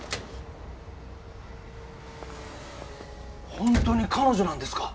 本当に彼女なんですか？